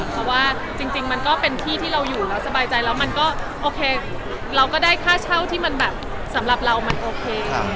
เพราะว่าจริงมันก็เป็นที่ที่เราอยู่แล้วสบายใจแล้วมันก็โอเคเราก็ได้ค่าเช่าที่มันแบบสำหรับเรามันโอเค